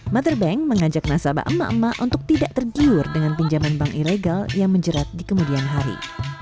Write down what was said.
mother bank mengajak nasabah emak emak untuk tidak tergiur dengan pinjaman bank ilegal yang menjerat di kemudian hari